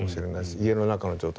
家の中の状態。